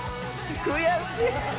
悔しい。